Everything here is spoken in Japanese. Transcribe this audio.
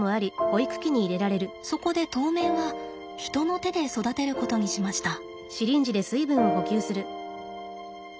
そこで当面は人の手で育てることにしました。